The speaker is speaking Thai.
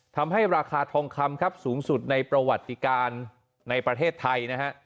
ทำให้ราคาทองคำครับสูงสุดในประวัติการในประเทศไทยนะฮะ